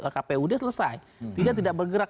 kpud selesai tidak bergerak